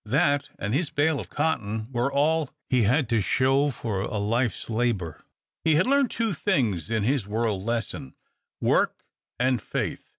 That and his bale of cotton were all he had to show for a life's labor. He had learned two things in his world lesson, work and faith.